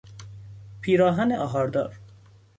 پیراهن آهاردار